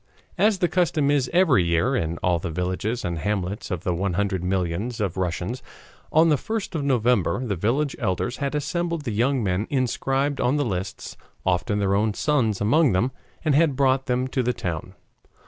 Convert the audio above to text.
As the custom is every year, in all the villages and hamlets of the one hundred millions of Russians, on the 1st of November, the village elders had assembled the young men inscribed on the lists, often their own sons among them, and had brought them to the town.